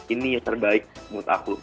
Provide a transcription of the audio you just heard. ini yang terbaik menurut aku